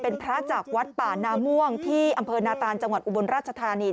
เป็นพระจากวัดป่านาม่วงที่อำเภอนาตานจังหวัดอุบลราชธานี